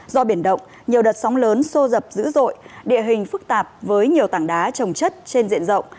do biển động nhiều đợt sóng lớn xô dập dữ dội địa hình phức tạp với nhiều tảng đá trồng chất trên diện rộng